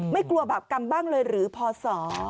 ไม่กลัวบาปกรรมบ้างเลยหรือพศ